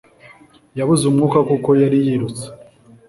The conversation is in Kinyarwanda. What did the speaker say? Yabuze umwuka kuko yari yirutse.